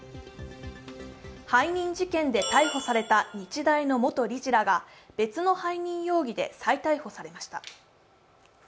背任事件で逮捕された日大の元理事らが別の背任容疑で再逮捕されました。